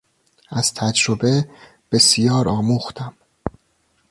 از تجربه بسیار آموختم.